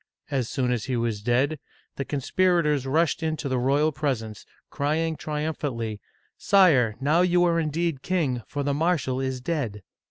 As soon as he was dead, the conspira tors rushed into the royal presence, crying triumphantly, " Sire, now you are indeed king, for the marshal is dead